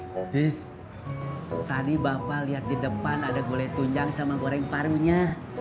ntis tadi bapak liat di depan ada goreng tunjang sama goreng parunya